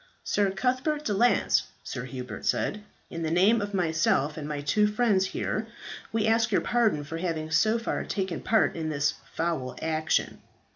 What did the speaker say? "Sir Cuthbert de Lance," Sir Hubert said, "in the name of myself and my two friends here we ask your pardon for having so far taken part in this foul action.